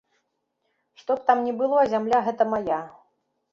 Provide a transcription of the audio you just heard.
Што б там ні было, а зямля гэта мая.